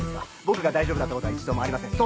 僕が大丈夫だったことは一度もありません。